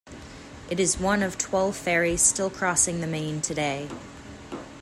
It is one of twelve ferries still crossing the Main today.